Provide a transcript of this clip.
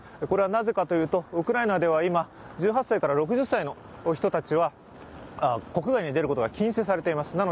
これはなぜかというと、ウクライナでは今、１８歳から６０歳の人たちは国外に出ることが禁止されています。